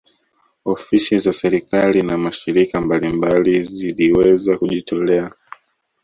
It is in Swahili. Ofisi za serikali na mashirika mbalimbali ziliweza kujitolea